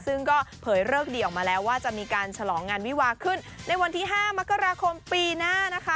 ซึ่งก็เผยเลิกดีออกมาแล้วว่าจะมีการฉลองงานวิวาขึ้นในวันที่๕มกราคมปีหน้านะคะ